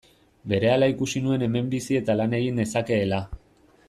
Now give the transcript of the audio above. Berehala ikusi nuen hemen bizi eta lan egin nezakeela.